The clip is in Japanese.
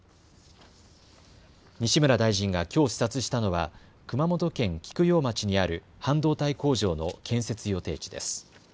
西村大臣がきょう視察したのは熊本県菊陽町にある半導体工場の建設予定地です。